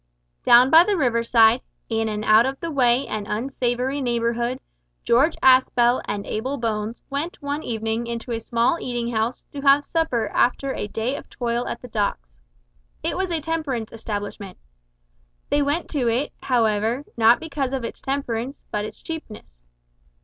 Down by the river side, in an out of the way and unsavoury neighbourhood, George Aspel and Abel Bones went one evening into a small eating house to have supper after a day of toil at the docks. It was a temperance establishment. They went to it, however, not because of its temperance but its cheapness.